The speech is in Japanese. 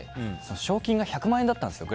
賞金が１００万円だったんですよ